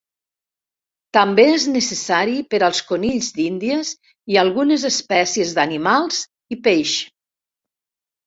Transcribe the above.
També és necessari per als conills d'Índies i algunes espècies d'animals i peix.